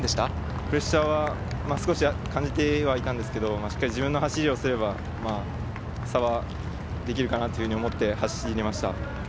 プレッシャーは少し感じてはいたんですけど、しっかり自分の走りをすれば差はできるかなと思って走りました。